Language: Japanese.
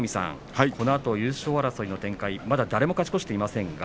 このあと優勝争いの展開、まだ誰も勝ち越していません。